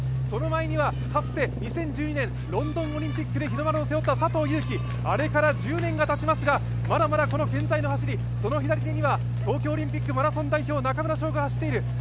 その前にはかつて２０１２年、ロンドンオリンピックで日の丸を背負った佐藤悠基、あれから１０年がたちますが、まだまだ健在の走り、その左手には東京オリンピックマラソン代表、中村匠吾が走っている。